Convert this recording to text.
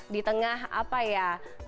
di tengah apa ya